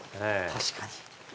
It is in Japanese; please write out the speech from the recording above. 確かに。